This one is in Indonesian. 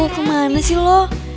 kemana sih lo